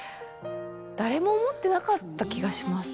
誰も思ってなかった気がします。